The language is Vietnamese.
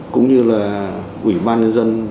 cũng như là ủy ban nhân dân